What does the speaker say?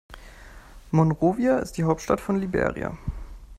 Monrovia ist die Hauptstadt von Liberia.